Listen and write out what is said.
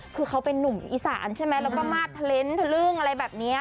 คือเขาเป็นนุ่มอีสานใช่ไหมแล้วก็มาดเทลนด์ทะลึ่งอะไรแบบนี้